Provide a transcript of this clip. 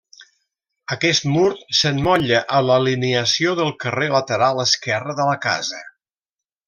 Aquest mur s'emmotlla a l'alineació del carrer lateral esquerra de la casa.